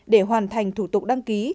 để hoàn thành thủ tục đăng ký